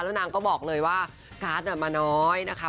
คุณนางก็บอกเลยว่าการ์ดมาน้อยนะครับ